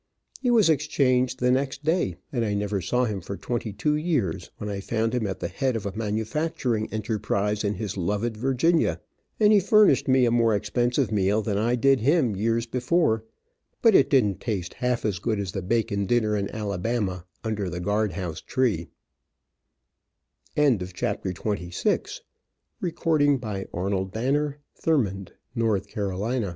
He was exchanged, the next day, and I never saw him for twenty two years, when I found him at the head of a manufacturing enterprise in his loved Virginia, and he furnished me a more expensive meal than I did him years before, but it didn't taste half as good as the bacon dinner in Alabama under the guard house tree. CHAPTER XXVII. A Short Story About a Pair of Boots, Showing the Monumental Gall of their